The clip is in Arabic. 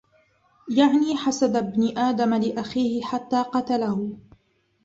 يَعْنِي حَسَدَ ابْنِ آدَمَ لِأَخِيهِ حَتَّى قَتَلَهُ